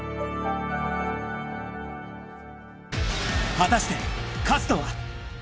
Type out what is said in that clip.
果たして、勝つのは。